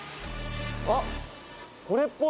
「あっこれっぽい！」